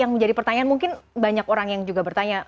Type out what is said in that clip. yang menjadi pertanyaan mungkin banyak orang yang juga bertanya